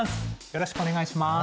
よろしくお願いします。